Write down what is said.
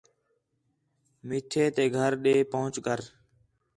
میٹھے تے گھر ݙے پُہچ کر